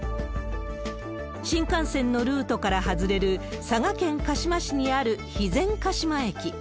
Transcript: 新幹線のルートから外れる、佐賀県鹿島市にある肥前鹿島駅。